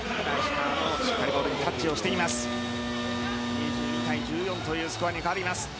２１対１４というスコアに変わりました。